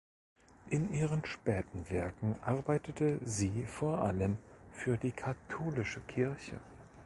In ihren späten Werken arbeitete sie vor allem für die katholische Kirche.